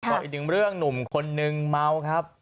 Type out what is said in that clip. ต่ออีก๑เรื่องหนุ่มคนนึงเมาส์ครับ